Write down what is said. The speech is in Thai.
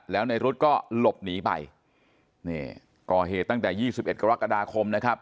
แล้วนายรุ๊ดก็หลบหนีไปก่อเหตั้งแต่๒๑กรกฎาคมนะครับ